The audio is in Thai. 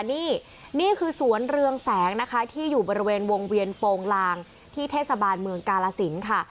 นี่นี่คือสวนเรืองแสงนะคะที่อยู่บริเวณวงเวียนโปรงลางที่เทศบาลเมืองกาลสินค่ะ